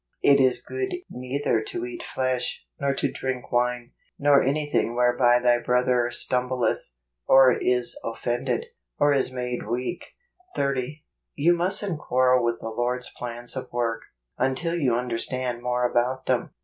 " It is good neither to eat flesh, nor to drink wine, nor anything whereby thy brother stumbleth, or is offended , or is made weak." 30. You mustn't quarrel with the Lord's plans of work, until you understand more about them.